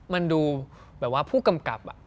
มันดูแบบว่าผู้กำกับ